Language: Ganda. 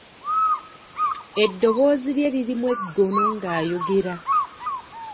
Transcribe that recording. Eddoboozi lye lirimu eggono ng'ayogera.